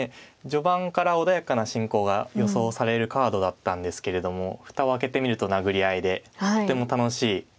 序盤から穏やかな進行が予想されるカードだったんですけれども蓋を開けてみると殴り合いでとても楽しい一局でした。